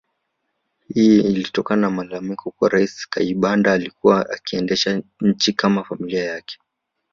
Hii ilitokana na malalamiko kuwa Rais Kayibanda alikuwa akiendesha nchi kama familia yake